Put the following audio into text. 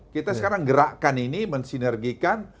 kita sekarang gerakan ini mensinergikan